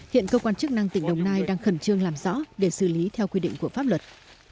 hiện cơ quan chức năng tỉnh đồng nai đang khẩn trương làm rõ để xử lý theo quy định của pháp luật